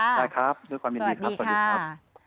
ได้ครับด้วยความยินดีครับสวัสดีครับ